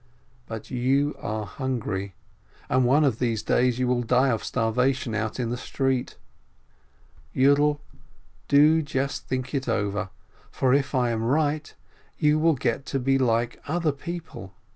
But you are hungry, and one of these days you will die of starvation out in the street. Yiidel, do just think it over, for if I am right, you will get to be like other people.